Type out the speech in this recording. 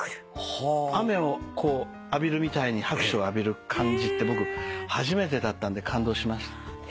雨を浴びるみたいに拍手を浴びる感じって僕初めてだったんで感動しました。